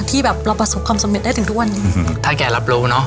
ที่แบบเราประสบความสำเร็จได้ถึงทุกวันนี้อืมถ้าแกรับรู้เนอะ